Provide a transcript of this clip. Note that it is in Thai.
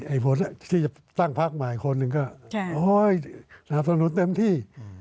อย่างไอ้ที่จะสร้างภาคมากกว่าคนหนึ่งก็ใช่โอ้ยสนับสนุนเต็มที่